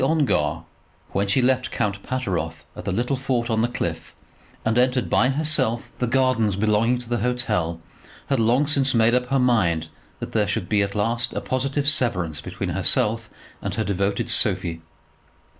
Lady Ongar, when she left Count Pateroff at the little fort on the cliff and entered by herself the gardens belonging to the hotel, had long since made up her mind that there should at last be a positive severance between herself and her devoted Sophie.